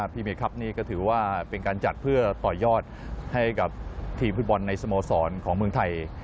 เมครับนี่ก็ถือว่าเป็นการจัดเพื่อต่อยอดให้กับทีมฟุตบอลในสโมสรของเมืองไทย